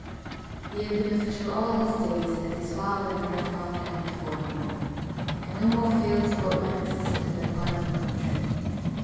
He had been a fisher all his days, as his father and grandfather had before him, and no more fearless boatman existed in that part of the country.